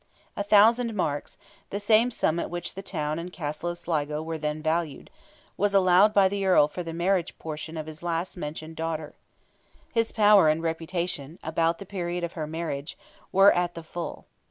A thousand marks—the same sum at which the town and castle of Sligo were then valued—was allowed by the Earl for the marriage portion of his last mentioned daughter. His power and reputation, about the period of her marriage, were at the full.